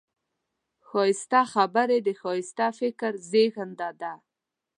ښایسته خبرې د ښایسته فکر زېږنده ده